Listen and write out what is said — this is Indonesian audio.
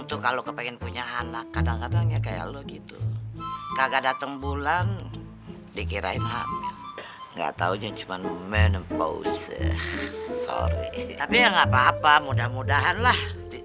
tapi ya gapapa mudah mudahanlah